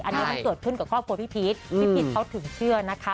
อันนี้มันเกิดขึ้นกับครอบครัวพี่พีชพี่พีชเขาถึงเชื่อนะคะ